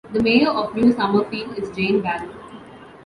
The mayor of New Summerfield is Jane Barrow.